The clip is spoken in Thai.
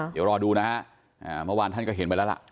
เดี๋ยวรอดูนะฮะเมื่อวานท่านก็เห็นไปแล้วล่ะ